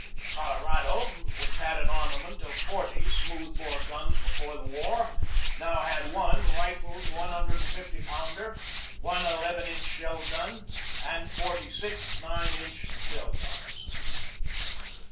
The Colorado, which had an armament of forty smooth bore guns before the war, now had one rifled I5o pounder, one n inch shell gun, and forty six 9 inch shell guns.